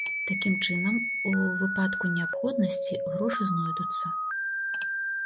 Такім чынам, у выпадку неабходнасці, грошы знойдуцца.